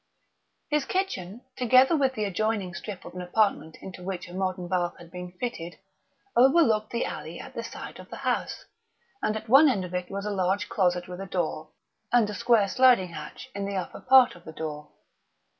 His kitchen, together with the adjoining strip of an apartment into which a modern bath had been fitted, overlooked the alley at the side of the house; and at one end of it was a large closet with a door, and a square sliding hatch in the upper part of the door.